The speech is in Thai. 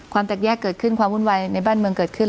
แตกแยกเกิดขึ้นความวุ่นวายในบ้านเมืองเกิดขึ้น